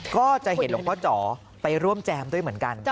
ก็จะเห็นหลวงพ่อจ๋อไปร่วมแจมด้วยเหมือนกัน